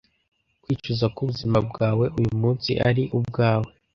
kwicuza ko ubuzima bwawe uyumunsi ari ubwawe